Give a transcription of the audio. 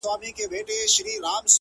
کلونه کيږي چي هغه پر دې کوڅې نه راځي;